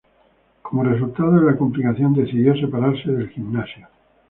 Como resultado de la complicación, decidió separarse del gimnasio.